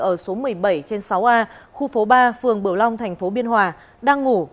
ở số một mươi bảy trên sáu a khu phố ba phường bửu long tp biên hòa đang ngủ